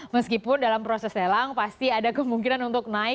meskipun dalam proses lelang pasti ada kemungkinan untuk naik